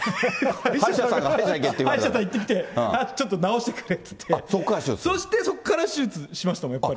歯医者さん行ってきて、ちょっと治してくれっていって、そしてそこから手術しましたね、やっぱり。